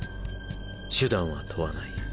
手段は問わない。